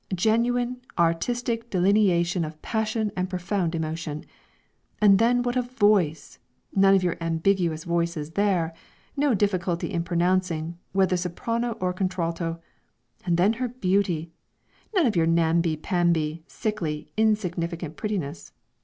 Genuine, artistic delineation of passion and profound emotion. And then what a voice! none of your ambiguous voices there; no difficulty in pronouncing, whether soprano or contralto. And then her beauty none of your namby pamby, sickly, insignificant prettiness."